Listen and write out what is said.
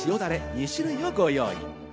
２種類をご用意。